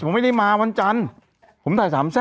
ผมไม่ได้มาวันจันอ้าว